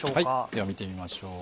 では見てみましょう。